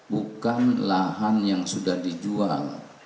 bukan lahan yang sudah dijual